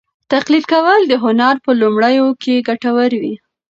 تقلید کول د هنر په لومړیو کې ګټور وي.